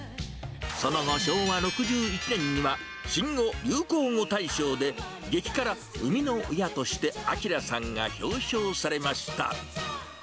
その後、昭和６１年には、新語・流行語大賞で、激辛生みの親として昭さんが表彰されました。